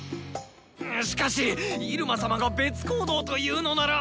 しかし入間様が別行動と言うのなら。